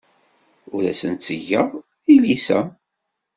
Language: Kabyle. Ur asen-ttgeɣ tilisa.